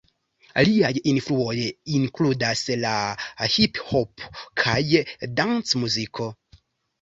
Liaj influoj inkludas la hiphopo kaj dancmuziko.